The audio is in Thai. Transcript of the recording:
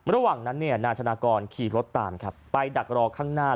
ระหว่างนั้นเนี่ยนายธนากรขี่รถตามครับไปดักรอข้างหน้า